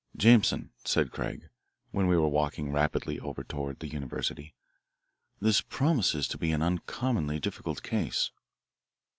"Jameson," said Craig, when we were walking rapidly over toward the university, "this promises to be an uncommonly difficult case."